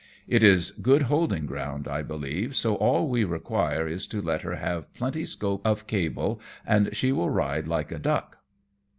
It is good holding ground, I believe, so all we require is to let her have plenty scope of cable, and she will ride like a duck."